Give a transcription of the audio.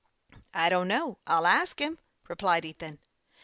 " I don't know ; I'll ask him," replied Ethan.